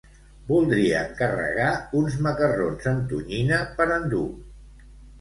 Voldria encarregar uns macarrons amb tonyina per endur.